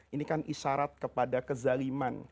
ini kan isyarat kepada kezaliman